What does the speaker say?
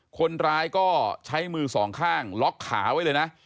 คนร้ายก็ใช้มือสองข้างล็อกขาไว้เลยนะ